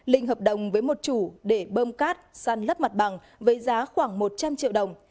linh hợp đồng với một chủ để bơm cát săn lấp mặt bằng với giá khoảng một trăm linh triệu đồng